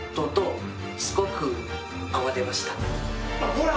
ほら！